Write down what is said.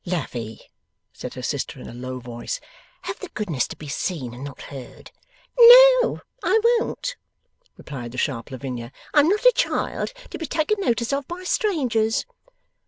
'Lavvy,' said her sister, in a low voice, 'have the goodness to be seen and not heard.' 'No, I won't,' replied the sharp Lavinia. 'I'm not a child, to be taken notice of by strangers.